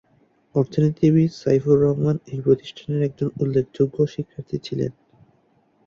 অর্থনীতিবিদ সাইফুর রহমান এই প্রতিষ্ঠানের একজন উল্লেখযোগ্য শিক্ষার্থী ছিলেন।